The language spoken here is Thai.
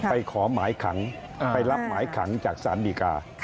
ขอหมายขังไปรับหมายขังจากศาลดีกา